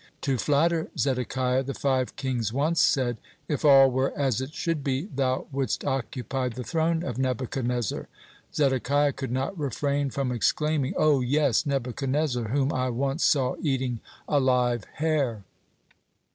To flatter Zedekiah, the five kings once said: "If all were as it should be, thou wouldst occupy the throne of Nebuchadnezzar." Zedekiah could not refrain from exclaiming: "O yes, Nebuchadnezzar, whom I once saw eating a live hare!"